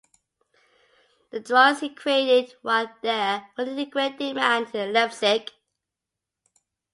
The drawings he created while there were in great demand in Leipzig.